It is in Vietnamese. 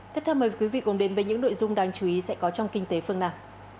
thế theo mời quý vị cùng đến với những nội dung đáng chú ý sẽ có trong kinh tế phương nam